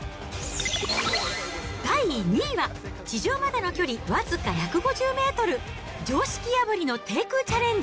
第２位は、地上までの距離僅か１５０メートル、常識破りの低空チャレンジ！